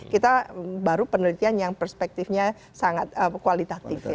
kita baru penelitian yang perspektifnya sangat kualitatif ya